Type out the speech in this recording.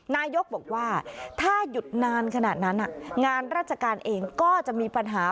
นายกบอกว่าถ้าหยุดนานขนาดนั้นงานราชการเองก็จะมีปัญหา